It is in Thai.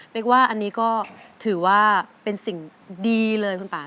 กว่าอันนี้ก็ถือว่าเป็นสิ่งดีเลยคุณป่า